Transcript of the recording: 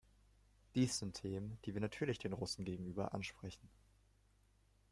Dies sind Themen, die wir natürlich den Russen gegenüber ansprechen.